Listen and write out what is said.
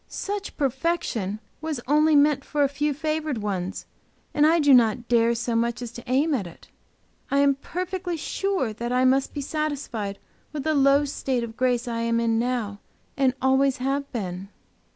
"Such perfection was only meant for a few favored ones, and I do not dare so much as to aim at it. I am perfectly sure that I must be satisfied with the low state of grace I am in now and always have been."